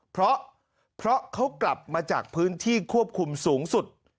เพราะเขากลับมาจากพื้นที่ควบคุมสูงสุด